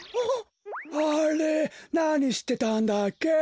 あれなにしてたんだっけ？